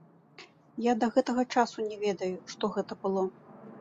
Я да гэтага часу не ведаю, што гэта было.